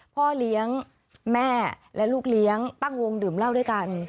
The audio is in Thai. พ่อเลี้ยงแม่และลูกเลี้ยงตั้งวงดื่มเหล้าด้วยกัน